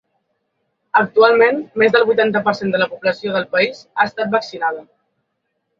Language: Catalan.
Actualment, més del vuitanta per cent de la població del país ha estat vaccinada.